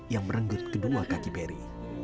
yang merenggut kedua kaki berry